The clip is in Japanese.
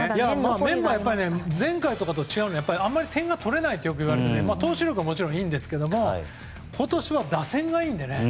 メンバーはやっぱり前回とかと違うのはあまり点が取れないとよく言われていて投手力はもちろんいいんですが今年は打線がいいのでね。